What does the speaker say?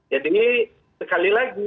jadi sekali lagi